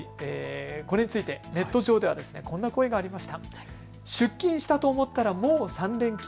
これについてネット上ではこんな声がありました。